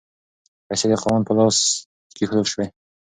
پیسې د خاوند په لاس کې کیښودل شوې.